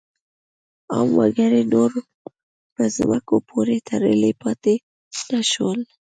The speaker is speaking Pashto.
عام وګړي نور په ځمکو پورې تړلي پاتې نه شول.